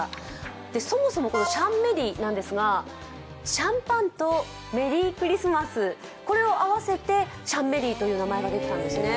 そもそもシャンメリーなんですがシャンパンとメリークリスマスを合わせてシャンメリーという名前ができたんですね。